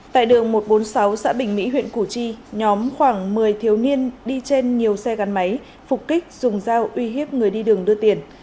tại đường một trăm bốn mươi sáu xã bình mỹ huyện củ chi nhóm khoảng một mươi thiếu niên đi trên nhiều xe gắn máy phục kích dùng dao uy hiếp người đi đường đưa tiền